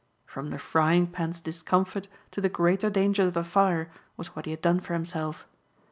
From the frying pan's discomfort to the greater dangers of the fire was what he had done for himself.